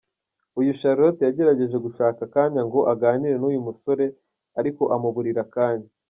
Uyu Charlotte yagerageje gushaka akanya ngo aganire n’uyu musore ariko amuburira akanya.